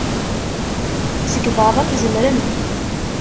Seg beṛṛa, tzemrem.